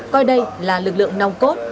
coi đây là lực lượng nông cốt